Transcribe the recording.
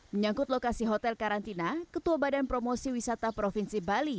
menyangkut lokasi hotel karantina ketua badan promosi wisata provinsi bali